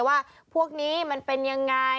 แต่ว่าปลูกนี้มันเป็นยังไง